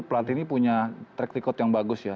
pelatih ini punya track record yang bagus ya